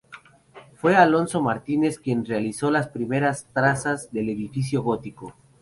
Fue Alonso Martínez quien realizó las primeras trazas del edificio gótico.